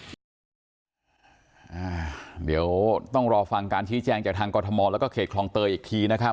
เดี๋ยวต้องรอฟังการชี้แจงจากทางกรทมแล้วก็เขตคลองเตยอีกทีนะครับ